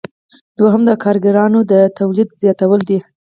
دوهم د کاریګرانو د تولید زیاتول دي.